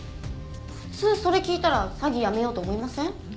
普通それ聞いたら詐欺やめようと思いません？